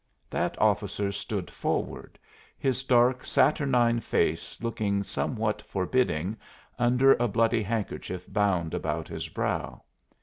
That officer stood forward, his dark saturnine face looking somewhat forbidding under a bloody handkerchief bound about his brow.